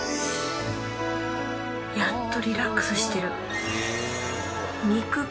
やっとリラックスしてる。